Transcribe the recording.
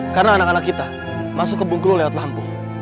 karena anak anak kita masuk ke bungkul lewat lampu